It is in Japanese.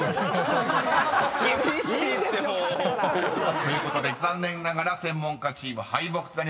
［ということで残念ながら専門家チーム敗北となりました］